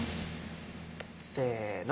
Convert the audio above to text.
せの。